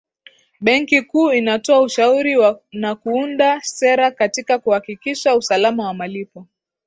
benki kuu inatoa ushauri na kuunda sera katika kuhakikisha usalama wa malipo